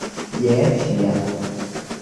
Jes, ja.